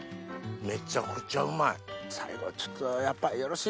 めちゃくちゃうまい。